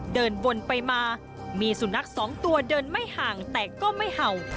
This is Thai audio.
เดินวนไปมามีสุนัขสองตัวเดินไม่ห่างแต่ก็ไม่เห่า